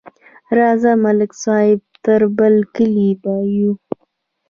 راځه، ملک صاحب تر برکلي بیایو.